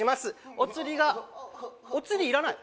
おつりがおつりいらない？